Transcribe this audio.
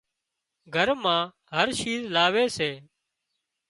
گھر مان هر شيز لاوي سي